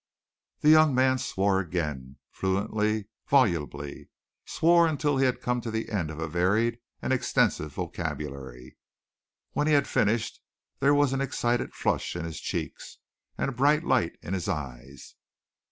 The young man swore again, fluently, volubly, swore until he had come to the end of a varied and extensive vocabulary. When he had finished, there was an excited flush in his cheeks and a bright light in his eyes.